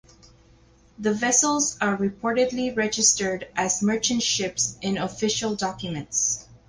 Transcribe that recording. The vessels are reportedly registered as merchant ships in official documents.